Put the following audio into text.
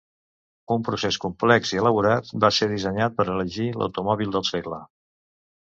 Un procés complex i elaborat va ser dissenyat per elegir l'automòbil del segle.